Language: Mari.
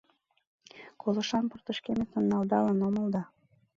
Колошан портышкеметым налдалын омыл да